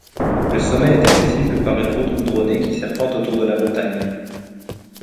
Le sommet est accessible par une route goudronnée qui serpente autour de la montagne.